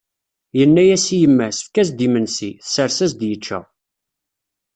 Yenna-as i yemma-s: Efk-as-d imensi, tesres-as-d yečča.